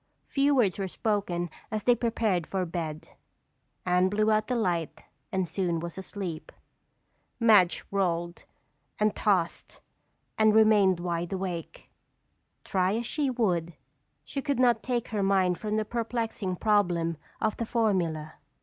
Few words were spoken as they prepared for bed. Anne blew out the light and soon was asleep. Madge rolled and tossed and remained wide awake. Try as she would, she could not take her mind from the perplexing problem of the formula.